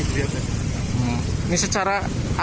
bagaimana cara masker tersebar